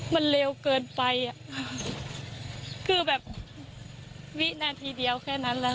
มันเลวเกินไปอ่ะคือแบบวินาทีเดียวแค่นั้นแหละ